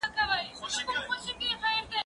هغه وويل چي لوبه ښه ده؟!